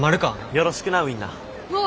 よろしくなウインナー。